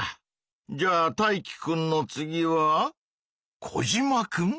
じゃあタイキくんの次はコジマくん？